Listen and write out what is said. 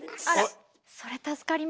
それ助かります。